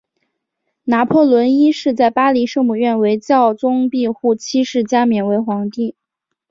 拿破仑一世在巴黎圣母院由教宗庇护七世加冕为皇帝。